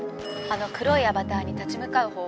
「あの黒いアバターに立ちむかう